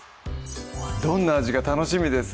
どんな味か楽しみです